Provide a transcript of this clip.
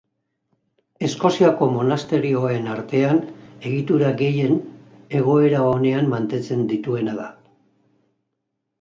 Eskoziako monasterioen artean egitura gehien egoera onean mantentzen dituena da.